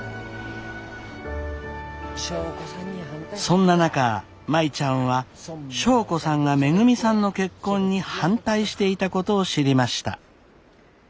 そんな中舞ちゃんは祥子さんがめぐみさんの結婚に反対していたことを知りました。